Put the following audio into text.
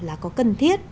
là có cần thiết